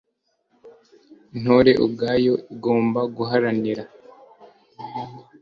intore ubwayo igomba guharanira